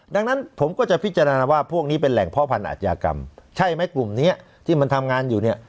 ดังนั้นผมก็จะพิจารณาว่าพวกนี้เป็นแหล่งพ่อพันธยากรรมใช่ไหมกลุ่มนี้ที่มันทำงานอยู่เนี่ย